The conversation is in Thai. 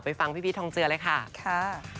ฟังพี่พีชทองเจือเลยค่ะ